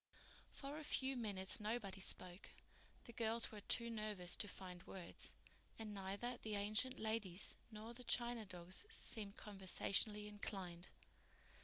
For a few minutes nobody spoke. The girls were too nervous to find words, and neither the ancient ladies nor the china dogs seemed conversationally inclined.